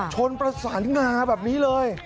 ชนประสานงาแบบนี้เลย